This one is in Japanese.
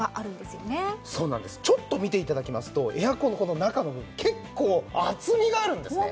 ちょっと見て頂きますとエアコンのこの中の部分結構厚みがあるんですね。